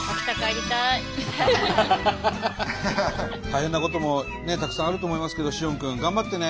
大変なこともたくさんあると思いますけど詩音君頑張ってね。